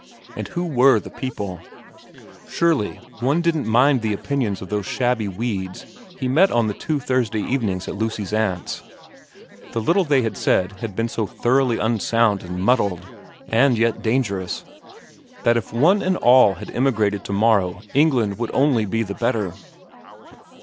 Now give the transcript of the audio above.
And who were the people ? Surely one didn't mind the opinions of those shabby weeds he had met on the two Thursday evenings at Lucy's aunt's. The little they had said had been so thoroughly unsound and muddled and yet dangerous, that if they one and all emigrated to morrow England would only be the better.